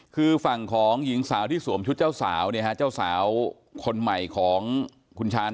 คือฝั่งของหญิงสาวที่สวมชุดเจ้าสาวเนี่ยฮะเจ้าสาวคนใหม่ของคุณชาญ